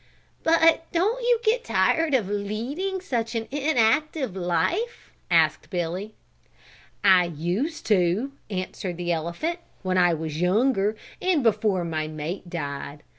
"But don't you get tired leading such an inactive life?" asked Billy. "I used to," answered the elephant, "when I was younger, and before my mate died.